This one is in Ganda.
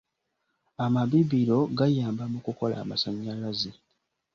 Amabibiro gayamba mu kukola amasannyalaze.